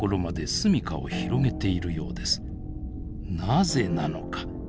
なぜなのか？